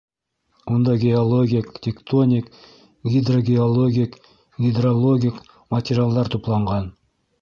- Унда геологик, тектоник, гидрогеологик, гидрологик материалдар тупланған.